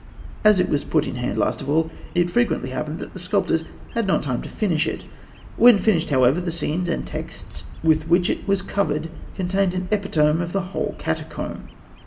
As it was put in hand last of all, it frequently happened that the sculptors had not time to finish it. When finished, however, the scenes and texts with which it was covered contained an epitome of the whole catacomb.